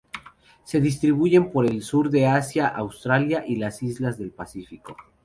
Se distribuyen por el sur de Asia, Australia y las islas del Pacífico.